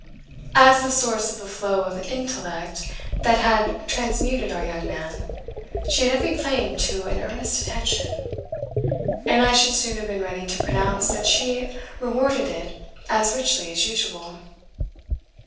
As the source of the flow of "intellect" that had transmuted our young man, she had every claim to an earnest attention; and I should soon have been ready to pronounce that she rewarded it as richly as usual.